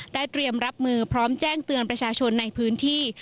เตรียมรับมือพร้อมแจ้งเตือนประชาชนในพื้นที่